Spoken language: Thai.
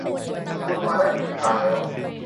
คุณมาได้ถูกทางแล้ว